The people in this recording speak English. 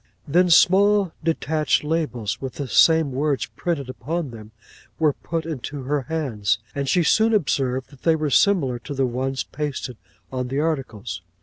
'Then small detached labels, with the same words printed upon them, were put into her hands; and she soon observed that they were similar to the ones pasted on the articles.